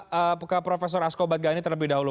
saya ke prof asko badgani terlebih dahulu